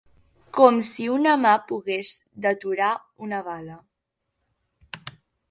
Com si una mà pogués deturar una bala